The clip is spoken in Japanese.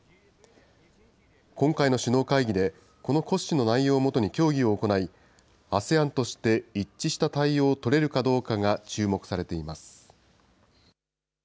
今回の首脳会議で、この骨子の内容をもとに協議を行い、ＡＳＥＡＮとして一致した対応を取れるかどうかが注目されています。